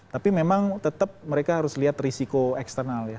tapi memang tetap mereka harus lihat risiko eksternal ya